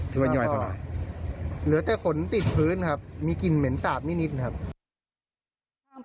ช่วยยอยตลาดเหลือแต่ขนติดพื้นครับมีกลิ่นเหม็นสาบนิดนะครับ